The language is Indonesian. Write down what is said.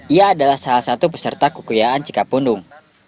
ia adalah salah satu peserta kekuyaan cikapundung